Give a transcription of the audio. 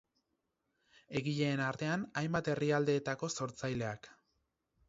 Egileen artean, hainbat herrialdetako sortzaileak.